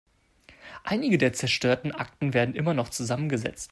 Einige der zerstörten Akten werden immer noch zusammengesetzt.